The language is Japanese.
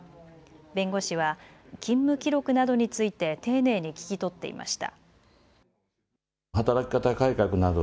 弁護士は勤務記録などについて丁寧に聞き取っていました。